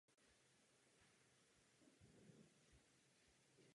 Absolvovala Právnickou fakultu Západočeské univerzity v Plzni.